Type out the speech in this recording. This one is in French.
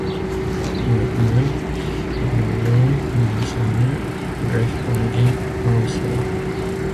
Ie ne sçauroys, monseigneur, respondit Anseau.